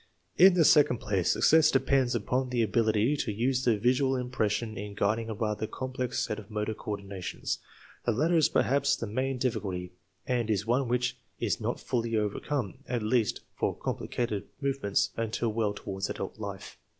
In the second place, success depends upon the ability to use the visual impression in guiding a rather complex set of motor coordinations. The latter is perhaps the main difficulty, and is one which is not fully overcome, at least for complicated movements, until well toward adult life.